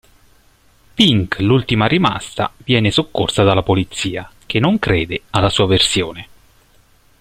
Pink l'ultima rimasta, viene soccorsa dalla polizia, che non crede alla sua versione.